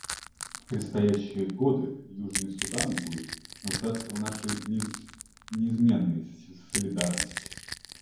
В предстоящие годы Южный Судан будет нуждаться в нашей неизменной солидарности.